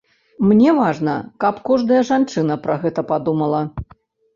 Мне важна, каб кожная жанчына пра гэта падумала.